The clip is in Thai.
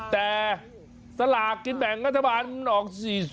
แต่สลากกินแบ่งรัฐบาลมันออก๔๐